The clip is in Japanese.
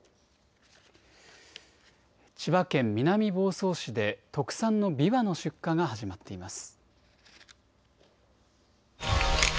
千葉県南房総市で特産のびわの出荷が始まっています。